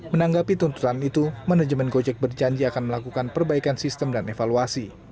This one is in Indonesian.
menanggapi tuntutan itu manajemen gojek berjanji akan melakukan perbaikan sistem dan evaluasi